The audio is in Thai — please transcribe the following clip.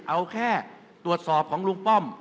เอาแค่ตรวจสอบของลุงป้อม